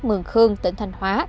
mường khương tỉnh thành hóa